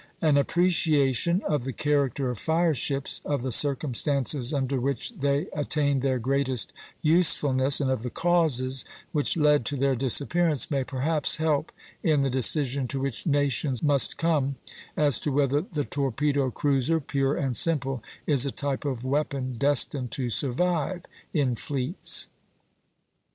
An appreciation of the character of fire ships, of the circumstances under which they attained their greatest usefulness, and of the causes which led to their disappearance, may perhaps help in the decision to which nations must come as to whether the torpedo cruiser, pure and simple, is a type of weapon destined to survive in fleets.